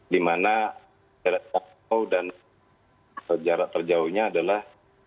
di mana jarak jauh dan jarak terjauhnya adalah